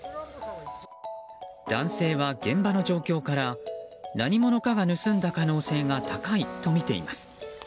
男性は現場の状況から何者かが盗んだ可能性が高いとみています。